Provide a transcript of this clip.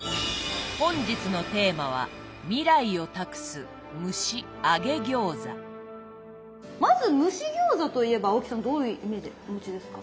本日のテーマはまず蒸し餃子といえば青木さんどういうイメージお持ちですか？